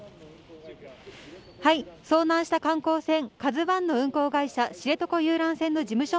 遭難した観光船、カズワンの運航会社、知床遊覧船の事務所